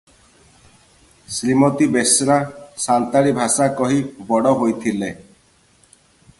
ଶ୍ରୀମତୀ ବେଶ୍ରା ସାନ୍ତାଳୀ ଭାଷା କହି ବଡ଼ ହୋଇଥିଲେ ।